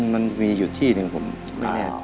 มันมีอยู่ที่หนึ่งผมไม่แน่ใจ